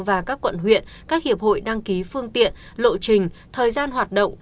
và các quận huyện các hiệp hội đăng ký phương tiện lộ trình thời gian hoạt động